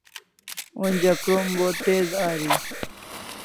Onja krom bo tez ari